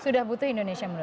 sudah butuh indonesia menurut